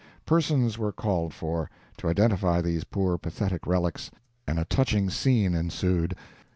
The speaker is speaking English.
Persons were called for, to identify these poor pathetic relics, and a touching scene ensued.